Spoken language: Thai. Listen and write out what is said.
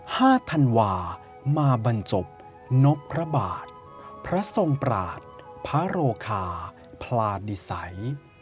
ธันวามาบรรจบนพพระบาทพระทรงปราศพระโรคาพลาดิสัย